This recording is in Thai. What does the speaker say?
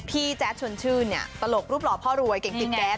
แจ๊ดชวนชื่นเนี่ยตลกรูปหล่อพ่อรวยเก่งติดแก๊ส